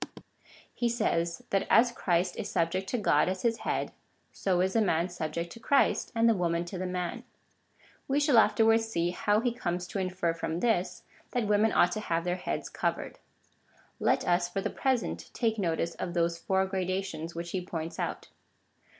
He says, that as Christ is subject to God as his head, so is the man subject to Christ, and the woman to the man. We shall afterwards see, how he comes to infer from this, that women ought to have their heads covered. Let us, for the present, take notice of those four gradations which he points out.